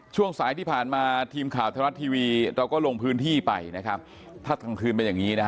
ช่วงสายที่ผ่านมาทีมข่าวธนรัสทีวีเราก็ลงพื้นที่ไปพัดกลางคืนเป็นอย่างนี้